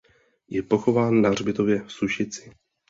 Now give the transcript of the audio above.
Je pochován na hřbitově v Sušici.